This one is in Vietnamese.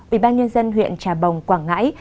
ủy ban nhân dân huyện trà bồng quảng ngãi